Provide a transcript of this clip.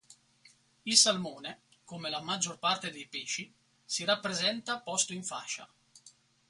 Il salmone, come la maggior parte dei pesci, si rappresenta posto in fascia.